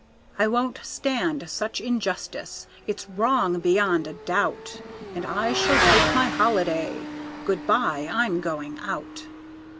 "I won't stand such injustice! It's wrong, beyond a doubt, And I shall take my holiday. Good by, I'm going out!"